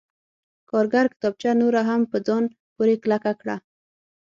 کارګر کتابچه نوره هم په ځان پورې کلکه کړه